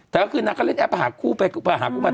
แต่ก็คือนางก็เล่นแอปหาคู่มา